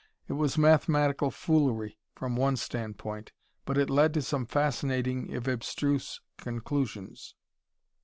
It was mathematical foolery, from one standpoint, but it led to some fascinating if abstruse conclusions.